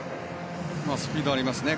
スピードがありますね。